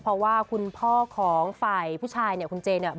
เพราะว่าคุณพ่อของฝ่ายผู้ชายเนี่ยคุณเจเนี่ย